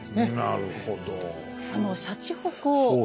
なるほど。